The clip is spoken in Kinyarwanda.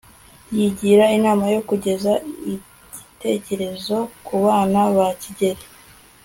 yigira inama yo kugeza igitekerezo ku bana ba kigeli